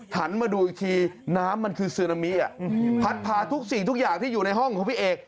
หันมาดูอีกทีน้ำมันคือซึนามิพัดพาทุกสิ่งทุกอย่างที่อยู่ในห้องของพี่เอก